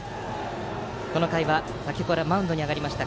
この回は先程からマウンドに上がりました